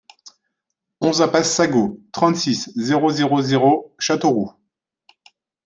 onze impasse Sagot, trente-six, zéro zéro zéro, Châteauroux